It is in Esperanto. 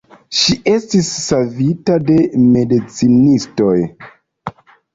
Ŝi estis savita de medicinistoj.